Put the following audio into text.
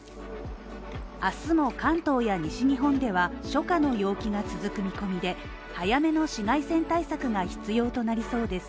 明日も関東や西日本では初夏の陽気が続く見込みで早めの紫外線対策が必要となりそうです。